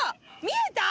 見えた？